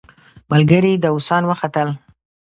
ملګري داووسان وختل.